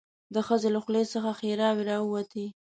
د ښځې له خولې څخه ښيراوې راووتې.